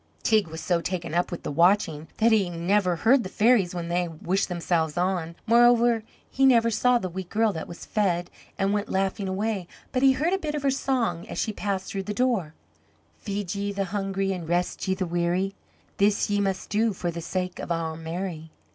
Teig was so taken up with the watching that he never heard the fairies when they wished themselves on; moreover, he never saw the wee girl that was fed, and went laughing away. But he heard a bit of her song as she passed through the door: "Feed ye the hungry an' rest ye the weary, This ye must do for the sake of Our Mary."